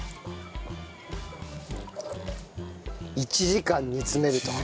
１時間煮詰めると。